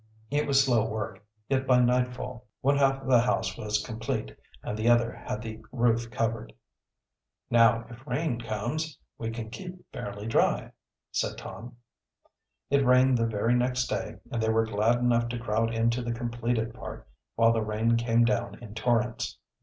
It was slow work, yet by nightfall one half the house was complete and the other had the roof covered. "Now, if rain comes, we can keep fairly dry," said Tom. It rained the very next day and they were glad enough to crowd into the completed part, while the rain came down in torrents.